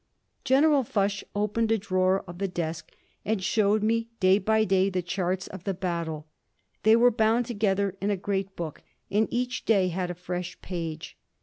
General Foch opened a drawer of the desk and showed me, day by day, the charts of the battle. They were bound together in a great book, and each day had a fresh page.